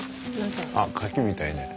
あ柿みたいね。